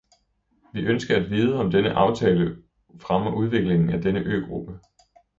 Vi ønsker at vide, om denne aftale fremmer udviklingen af denne øgruppe.